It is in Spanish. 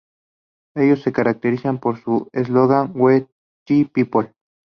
Ellos se caracterizaron por su eslogan: "We, The People!